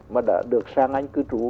mà đã được sang anh cư trú